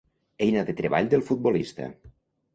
Eina de treball del futbolista.